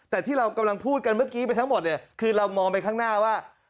แต่ที่เรากำลังพูดกันเมื่อกี้ไปทั้งหมดเนี่ยคือเรามองไปข้างหน้าว่า